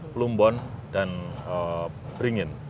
plumbon dan beringin